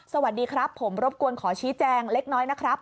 สวัสดีครับผมรบกวนขอชี้แจงเล็กน้อยนะครับ